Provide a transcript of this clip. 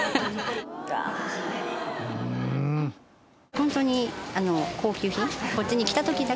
ホントに。